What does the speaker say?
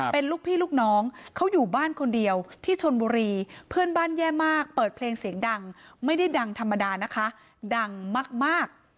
เป็นลูกพี่ลูกน้องเขาอยู่บ้านคนเดียวที่ชนบุรีเพื่อนบ้านแย่มากเปิดเพลงเสียงดังไม่ได้ดังธรรมดานะคะดังมาก